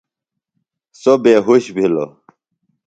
سوۡ بے ہُش بِھلوۡ۔